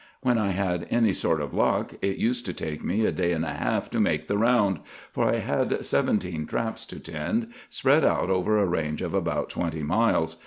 When I had any sort of luck, it used to take me a day and a half to make the round; for I had seventeen traps to tend, spread out over a range of about twenty miles.